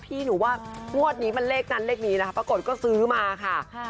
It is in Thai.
พี่หนูว่างวดนี้มันเลขนั้นเลขนี้นะคะปรากฏก็ซื้อมาค่ะ